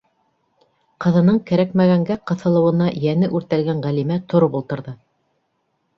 - Ҡыҙының кәрәкмәгәнгә ҡыҫылыуына йәне үртәлгән Ғәлимә тороп ултырҙы.